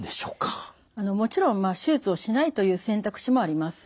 もちろん手術をしないという選択肢もあります。